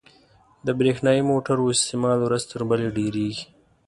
• د برېښنايي موټرو استعمال ورځ تر بلې ډېرېږي.